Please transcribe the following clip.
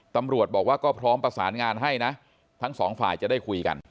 ตำรวจบอกว่าก็พร้อมประสานงานให้นะทั้งสองฝ่ายจะได้คุยกัน